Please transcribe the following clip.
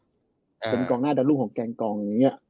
เป็นกองหน้าดาวรุ่งของแกงกองอย่างนี้